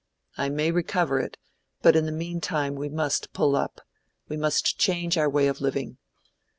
I may recover it, but in the mean time we must pull up—we must change our way of living.